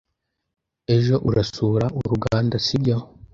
Ejo urasura uruganda, sibyo?